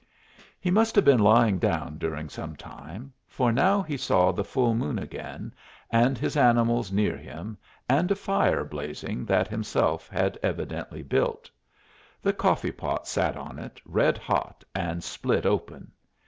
He must have been lying down during some time, for now he saw the full moon again, and his animals near him, and a fire blazing that himself had evidently built. The coffee pot sat on it, red hot and split open.